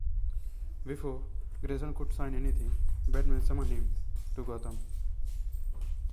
Before Grayson could sign anything, Batman summoned him to Gotham.